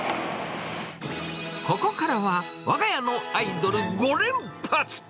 ここからはわが家のアイドル５連発。